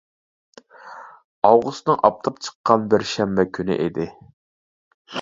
ئاۋغۇستنىڭ ئاپتاپ چىققان بىر شەنبە كۈنى ئىدى.